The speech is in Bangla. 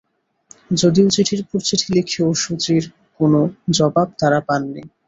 যদিও চিঠির পর চিঠি লিখেও সু চির কোনো জবাব তাঁরা পাননি।